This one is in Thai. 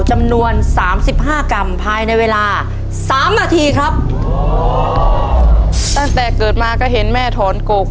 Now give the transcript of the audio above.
จำนวนสามสิบห้ากรัมภายในเวลาสามนาทีครับตั้งแต่เกิดมาก็เห็นแม่ถอนกก